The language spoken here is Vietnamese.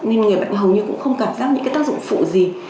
nên người bệnh hầu như cũng không cảm giác những cái tác dụng phụ gì